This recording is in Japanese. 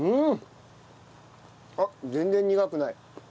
あっ全然苦くない。